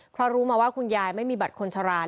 เพราะรู้มาว่าคุณยายไม่มีบัตรคนชะลา